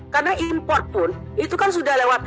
karena import pun itu kan sudah lewat